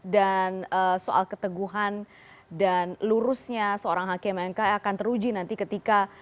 dan soal keteguhan dan lurusnya seorang hakemin mk akan teruji nanti ketika